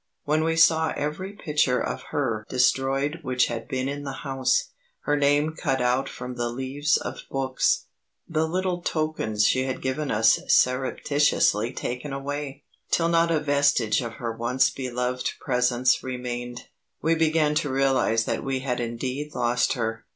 When we saw every picture of her destroyed which had been in the house; her name cut out from the leaves of books; the little tokens she had given us surreptitiously taken away, till not a vestige of her once beloved presence remained, we began to realize that we had indeed lost her.